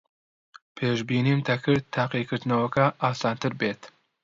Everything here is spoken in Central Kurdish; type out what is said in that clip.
پێشبینیم دەکرد تاقیکردنەوەکە ئاسانتر بێت.